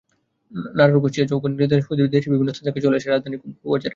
নাটোর, কুষ্টিয়া, নওগাঁ, দিনাজপুরসহ দেশের বিভিন্ন স্থান থেকে চাল আসে রাজধানীর বাবুবাজারে।